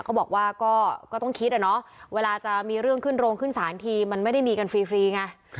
ก็บอกว่าก็ต้องคิดอะเนาะเวลาจะมีเรื่องขึ้นโรงขึ้นศาลทีมันไม่ได้มีกันฟรีไง